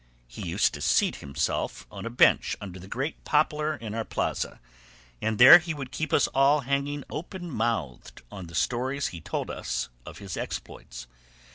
He used to seat himself on a bench under the great poplar in our plaza, and there he would keep us all hanging open mouthed on the stories he told us of his exploits.